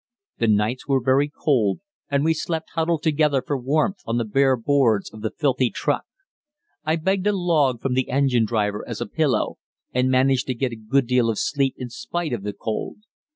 The nights were very cold, and we slept huddled together for warmth on the bare boards of the filthy truck. I begged a log from the engine driver as a pillow, and managed to get a good deal of sleep in spite of the cold.